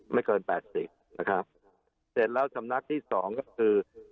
ไม่เกิน๘๐นะครับเสร็จแล้วสำนักที่๒ก็คือ